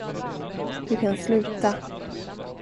Du kan sluta.